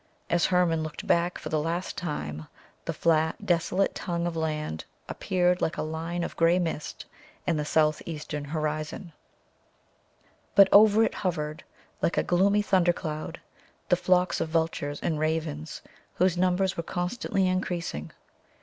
As Hermon looked back for the last time, the flat, desolate tongue of land appeared like a line of gray mist in the southeastern horizon; but over it hovered, like a gloomy thundercloud, the flocks of vultures and ravens, whose numbers were constantly increasing.